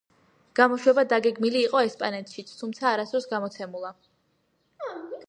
გამოშვება დაგეგმილი იყო ესპანეთშიც, თუმცა არასდროს გამოცემულა.